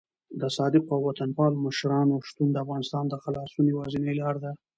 د صادقو او وطن پالو مشرانو شتون د افغانستان د خلاصون یوازینۍ لاره ده.